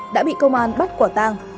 đã bị công an bắt quả tang